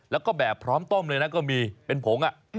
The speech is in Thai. แล้วก็แบบพร้อมต้มเลยนะก็มีเป็นผง